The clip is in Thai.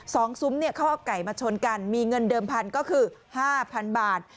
สองซุ้มเขาเอาไก่มาชนกันมีเงินเดิมพันธุ์ก็คือ๕๐๐๐บาท